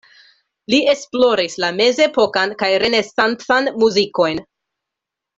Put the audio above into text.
Li esploris la mezepokan kaj renesancan muzikojn.